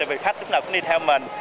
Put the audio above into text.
vì khách lúc nào cũng đi theo mình